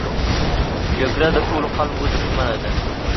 جګړه د ټولو خلکو دښمنه ده